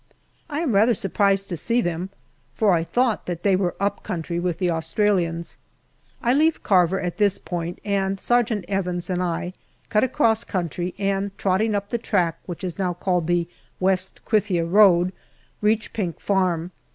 I am rather sur prised to see them, for I thought that they were up country with the Australians. I leave Carver at this point, and Sergeant Evans and I cut across country, and trotting up the track which is now called the West Krithia road, reach Pink Farm.